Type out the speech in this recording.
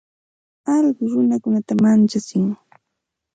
Alluqu runata manchatsin.